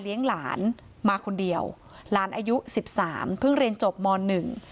หลานมาคนเดียวหลานอายุสิบสามเพิ่งเรียนจบมหนึ่ง